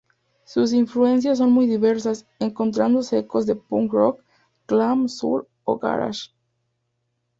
Sus influencias son muy diversas, encontrándose ecos de punk rock, glam, soul o garage.